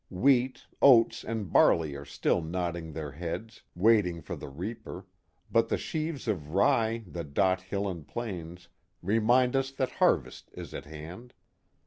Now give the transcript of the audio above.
Wheat, oats, and barley are still nodding their heads, waiting for the reaper, but the sheaves of rye that dot hill and plain remind us that harvest is at hand.